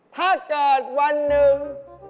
ถ้าเกิดวันหนึ่ง